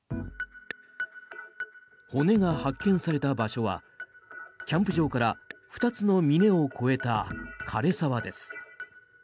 骨が発見された場所はキャンプ場から２つの峰を越えた枯れ沢です。